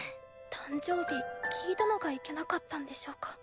誕生日聞いたのがいけなかったんでしょうか？